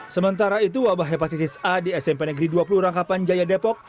sementara itu wabah hepatitis a di smp negeri dua puluh rangkapan jaya depok